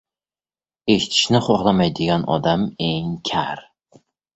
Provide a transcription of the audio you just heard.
• Eshitishni xohlamaydigan odam ― eng kar.